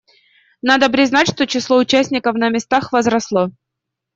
Надо признать, что число участников на местах возросло.